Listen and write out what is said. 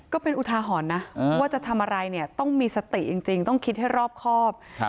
ก็เป็นอุทาหรณ์นะว่าจะทำอะไรเนี่ยต้องมีสติจริงต้องคิดให้รอบครอบ